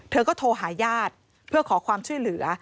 เธอก็โทรหาญาติเพื่อขอความช่วยเหลือ